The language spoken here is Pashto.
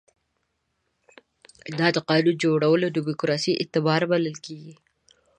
دا د قانون جوړولو دیموکراسي اعتبار بلل کېږي.